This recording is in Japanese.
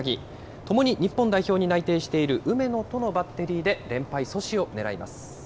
ともに日本代表に内定している梅野とのバッテリーで連敗阻止を狙います。